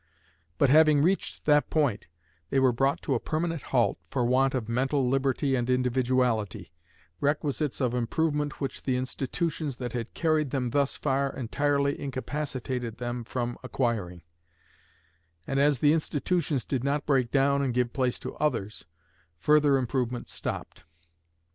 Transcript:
But having reached that point, they were brought to a permanent halt for want of mental liberty and individuality requisites of improvement which the institutions that had carried them thus far entirely incapacitated them from acquiring and as the institutions did not break down and give place to others, further improvement stopped.